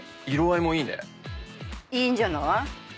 いいんじゃない？